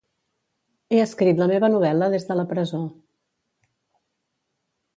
He escrit la meva novel·la des de la presó.